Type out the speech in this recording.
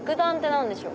何でしょう？